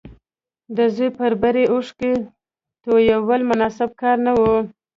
د زوی پر بري اوښکې تويول مناسب کار نه و